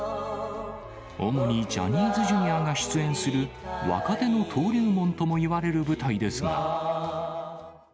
主にジャニーズＪｒ．が出演する若手の登竜門ともいわれる舞台ですが。